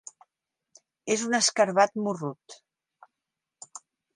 És un escarabat morrut.